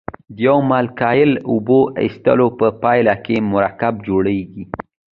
د یو مالیکول اوبو ایستلو په پایله کې مرکب جوړیږي.